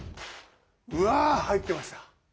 うわ入ってました。